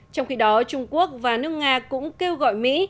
trong khi đó trung quốc và nước nga cũng kêu gọi mỹ